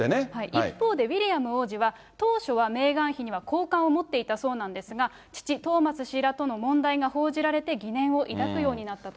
一方でウィリアム王子は、当初はメーガン妃には好感を持っていたそうなんですが、父、トーマス氏らとの問題が報じられて、疑念を抱くようになったと。